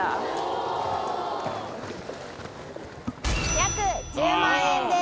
約１０万円です。